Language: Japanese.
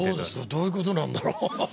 どういうことなんだろう？